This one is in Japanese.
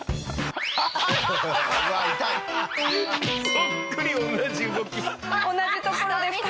そっくり同じ動き。